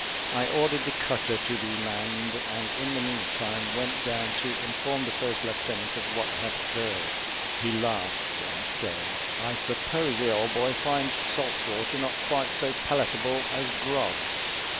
I ordered the cutter to be manned, and, in the meantime, went down to inform the first lieutenant of what had occurred. He laughed, and said, "I suppose the old boy finds salt water not quite so palatable as grog.